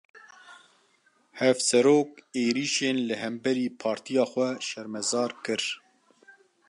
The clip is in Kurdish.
Hevserok, êrîşên li hemberî partiya xwe şermezar kir